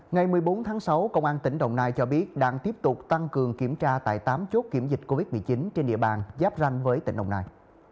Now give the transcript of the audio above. ngày một mươi bốn tháng sáu công an tỉnh đồng nai cho biết đang tiếp tục tăng cường kiểm tra tại tám chốt kiểm dịch covid một mươi chín trên địa bàn giáp ranh với tỉnh đồng nai